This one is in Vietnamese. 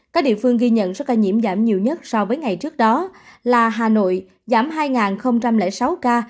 các địa phương ghi nhận số ca nhiễm giảm nhiều nhất so với ngày trước đó là hà nội giảm hai sáu ca